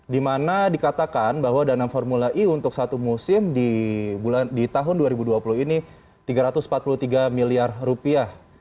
dimana dikatakan bahwa dana formula e untuk satu musim di tahun dua ribu dua puluh ini tiga ratus empat puluh tiga miliar rupiah